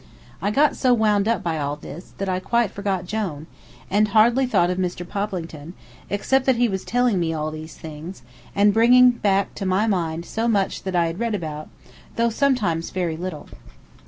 I got so wound up by all this, that I quite forgot Jone, and hardly thought of Mr. Poplington, except that he was telling me all these things, and bringing back to my mind so much that I had read about, though sometimes very little.